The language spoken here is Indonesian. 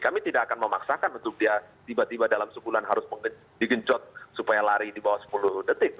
kami tidak akan memaksakan untuk dia tiba tiba dalam sebulan harus digencot supaya lari di bawah sepuluh detik